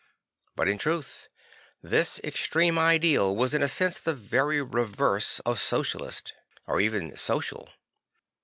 But in truth this extreme ideal was in a sense the very reverse of Socialist, or even social.